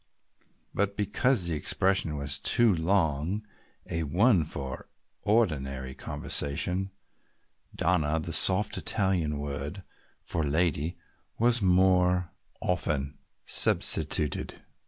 But because the expression was too long a one for ordinary conversation, "Donna," the soft Italian word for "lady," was more often substituted.